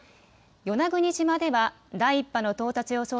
与那国島では第１波の到達予想